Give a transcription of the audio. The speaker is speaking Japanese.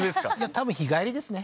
多分日帰りですね